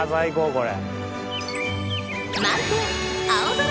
これ。